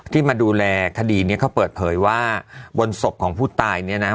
ที่มาดูแลคดีนี้เขาเปิดเผยว่าบนศพของผู้ตายเนี่ยนะ